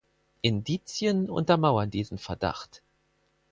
Indizien untermauern diesen Verdacht.